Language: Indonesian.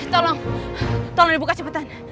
tolong tolong dibuka cepetan